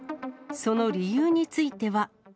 その理由については。